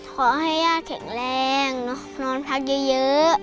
ขอให้ย่าแถงแรงนอนพักเย้